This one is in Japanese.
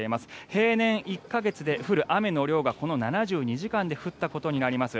平年１か月で降る雨の量がこの７２時間で降ったことになります。